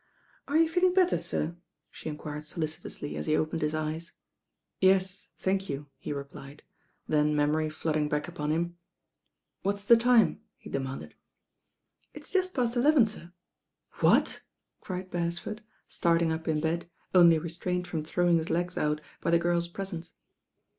"Are you feeling better, sir?" she enquired solicit ously as he opened his eyes. "Yes, thank you," he replied, then memory flood 104 THE BAIN GIRL ing back upon him: "What's the time?" he de* manded. "It's just past eleven, sir." "What?" cried Beresford, starting up in bed, only restrained from throwing his legs out by the girl's presence.